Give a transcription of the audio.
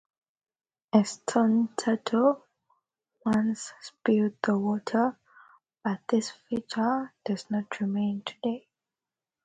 A stone turtle once spewed the water, but this feature does not remain today.